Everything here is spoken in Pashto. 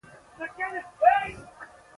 خوب د سکون له نغمو ډک دی